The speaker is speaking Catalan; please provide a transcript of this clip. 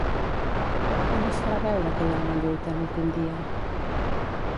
On es farà veure que hi ha una lluita l'últim dia?